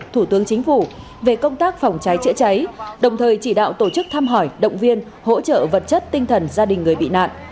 thủ tướng chính phủ về công tác phòng cháy chữa cháy đồng thời chỉ đạo tổ chức thăm hỏi động viên hỗ trợ vật chất tinh thần gia đình người bị nạn